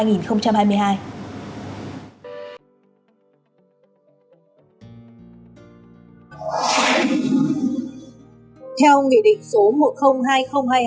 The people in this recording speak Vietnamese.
nghị định số một trăm linh hai nghìn hai mươi hai nhk